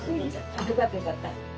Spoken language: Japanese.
よかったよかった。